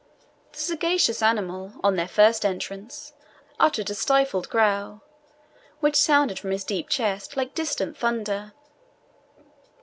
The sagacious animal, on their first entrance, uttered a stifled growl, which sounded from his deep chest like distant thunder.